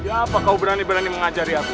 apa kau berani berani mengajari aku